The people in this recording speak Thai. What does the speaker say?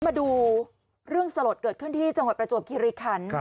มาดูเรื่องสลดเกิดขึ้นที่จังหวัดประจวบคิริคัน